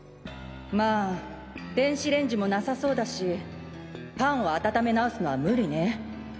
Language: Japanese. まぁ電子レンジもなさそうだしパンを温め直すのは無理ね。